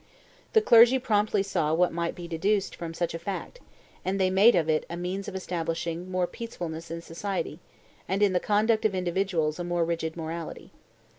The clergy promptly saw what might be deduced from such a fact; and they made of it a means of establishing more peacefulness in society, and in the conduct of individuals a more rigid morality.